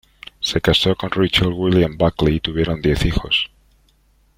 Se casó con Richard William Buckley y tuvieron diez hijos.